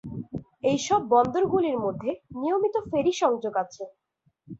এই সব বন্দরগুলির মধ্যেই নিয়মিত ফেরি সংযোগ আছে।